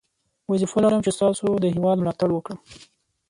وظیفه لرم چې ستاسو د هیواد ملاتړ وکړم.